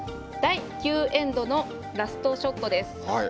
第９エンドのラストショットです。